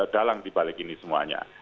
dalam dibalik ini semuanya